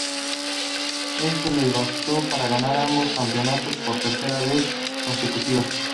Eso les bastó para ganar ambos campeonatos por tercera vez consecutiva.